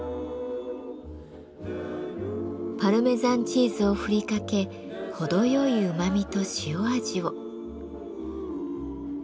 パルメザンチーズをふりかけ程よいうまみと塩味を。